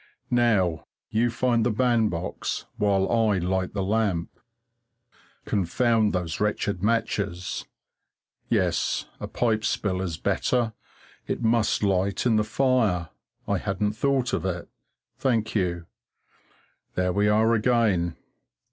Now, you find the bandbox while I light the lamp. Confound those wretched matches! Yes, a pipe spill is better it must light in the fire I hadn't thought of it thank you there we are again.